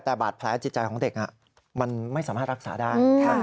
แต่บาดแผลจิตใจของเด็กมันไม่สามารถรักษาได้